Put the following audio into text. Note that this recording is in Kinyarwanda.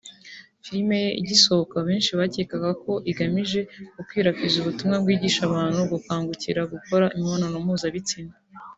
Filime ye igisohoka benshi bakekaga ko ‘igamije gukwirakwiza ubutumwa bwigisha abantu gukangukira gukora imibonano mpuzabitsina’